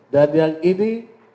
dan yang ini